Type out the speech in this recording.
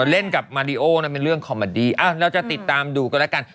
เล่นกับมาริโอนั้นเป็นเรื่องคอมมาดีเราจะติดตามดูกันแล้วกัน